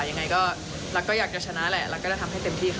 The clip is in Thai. ยังไงก็รักก็อยากจะชนะแหละแล้วก็จะทำให้เต็มที่ค่ะ